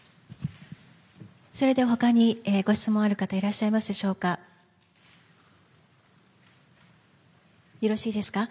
他にご質問のある方いらっしゃいますでしょうか。